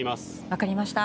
分かりました。